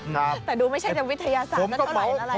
แต่ดูไม่ใช่วิทยาศาสตร์งั้นเท่าไหร่ล่ะ